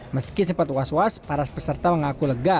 meski sempat was was para peserta mengaku lega